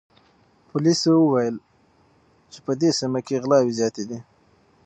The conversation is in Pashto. پولیسو وویل چې په دې سیمه کې غلاوې زیاتې دي.